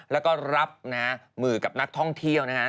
แล้วก็รับมือกับนักท่องเที่ยวนะครับ